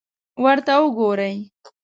ورته وګورئ!